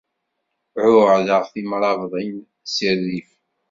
Ɛuhdeɣ timrabḍin si rrif.